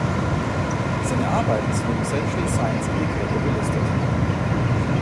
Seine Arbeiten sind im Essential Science Indicator gelistet.